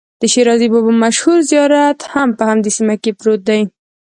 د شیرازي بابا مشهور زیارت هم په همدې سیمه کې پروت دی.